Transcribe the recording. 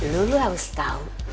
lu harus tau